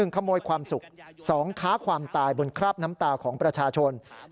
ขโมยความสุข๒ค้าความตายบนคราบน้ำตาของประชาชน